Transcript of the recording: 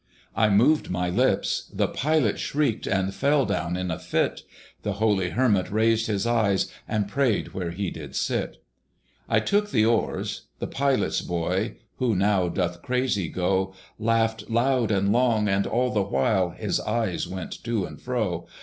I moved my lips the Pilot shrieked And fell down in a fit; The holy Hermit raised his eyes, And prayed where he did sit. I took the oars: the Pilot's boy, Who now doth crazy go, Laughed loud and long, and all the while His eyes went to and fro.